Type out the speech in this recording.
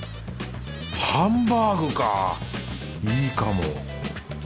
ハンバーグかいいかも。